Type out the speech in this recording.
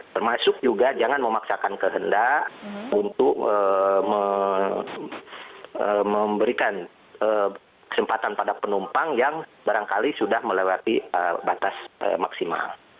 termasuk juga jangan memaksakan kehendak untuk memberikan kesempatan pada penumpang yang barangkali sudah melewati batas maksimal